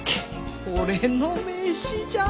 俺の名刺じゃん！